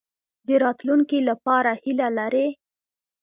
د راتلونکي لپاره هیله لرئ؟